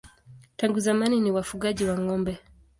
Tangu zamani ni wafugaji wa ng'ombe.